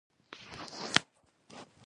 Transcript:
انا د ښو خبرو خزانه ده